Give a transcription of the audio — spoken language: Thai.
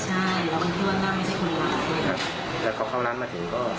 ใช่แล้วก็คิดว่าหน้าไม่ใช่คนร้ายแล้วก็เข้านั้นมาถึงก็